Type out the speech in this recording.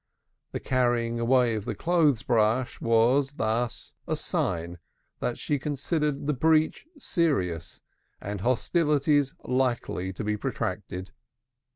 The carrying away of the clothes brush was, thus, a sign that she considered the breach serious and hostilities likely to be protracted.